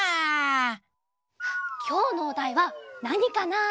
きょうのおだいはなにかな？